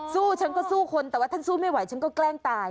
สู้จะสู้คนแต่ถ้าสู้ไม่ไหวฉันก็แกล้งตาย